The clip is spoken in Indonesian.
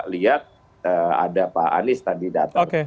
lihat ada pak anies tadi datang